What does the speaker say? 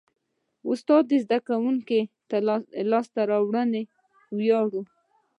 استاد د زده کوونکي د لاسته راوړنو ویاړ کوي.